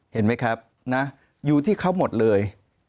เห็นไหมครับนะอยู่ที่เขาหมดเลย